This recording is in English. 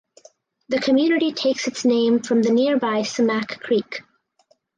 The community takes its name from nearby Sumac Creek.